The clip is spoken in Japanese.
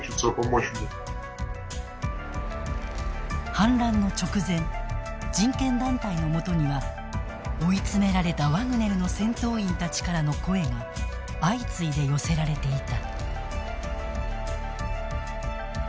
反乱の直前人権団体のもとには追い詰められたワグネルの戦闘員たちからの声が相次いで寄せられていた。